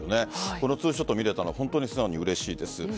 このツーショットを見れたのは本当に素直にうれしいです。